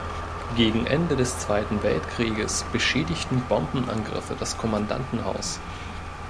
Gegen Ende des Zweiten Weltkrieges beschädigten Bombenangriffe das Kommandantenhaus.